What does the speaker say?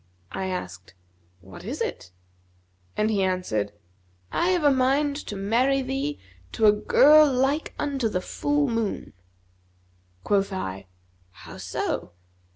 I asked, 'What is it?' and he answered, 'I have a mind to marry thee to a girl like the full moon.' Quoth I, 'How so?'